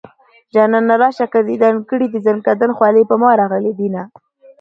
جانانه راشه که ديدن کړي د زنکدن خولې په ما راغلي دينه